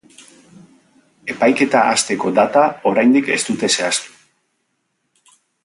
Epaiketa hasteko data oraindik ez dute zehaztu.